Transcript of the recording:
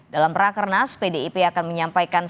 dalam rakernas pdip akan menyampaikan